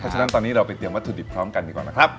ฉะนั้นตอนนี้เราไปเรียวัตถุดิบพร้อมกันดีกว่านะครับ